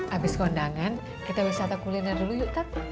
abis kondangan kita wisata kuliner dulu yuk tak